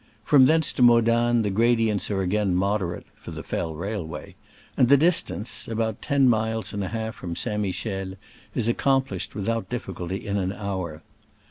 From thence to Modane the gradients are again moderate (for the Fell railway), and the distance — about ten miles and a half from St. Michel — is accomplished without difficulty in an hour.